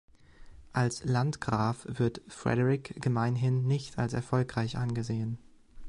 Als Landgraf wird Frederick gemeinhin nicht als erfolgreich angesehen.